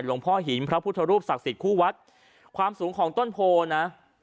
หลวงพ่อหินพระพุทธรูปศักดิ์สิทธิ์คู่วัดความสูงของต้นโพลนะ